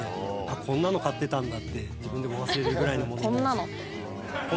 こんなの買ってたんだって自分でも忘れるぐらいのもの。